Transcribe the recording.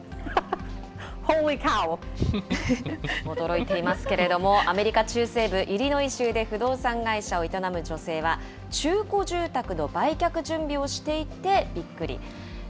驚いていますけれども、アメリカ中西部イリノイ州で不動産会社を営む女性は、中古住宅の売却準備をしていてびっくり。